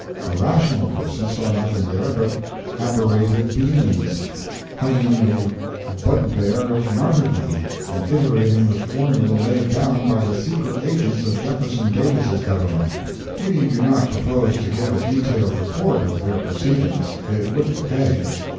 A rational person saw nothing there but aberrated beings, hugging the bugbear of martyrdom and iterating the formula laid down by the secret agents of Jeff. Davis' Government. We do not propose to give a detailed report of their proceedings; it wouldn't pay.